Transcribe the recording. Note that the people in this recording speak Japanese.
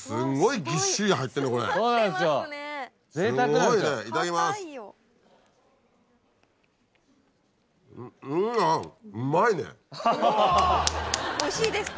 おぉおいしいですか。